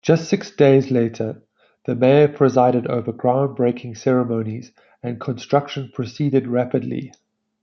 Just six days later, the Mayor presided over groundbreaking ceremonies and construction proceeded rapidly.